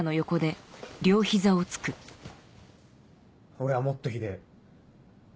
俺はもっとひでぇ。